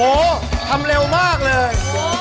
โอ้โหทำเร็วมากเลย